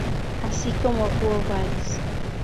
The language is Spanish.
Así como "Quo Vadis?